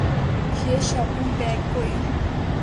یہ shopping bag کوئی